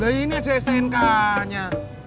ini ada stnk nya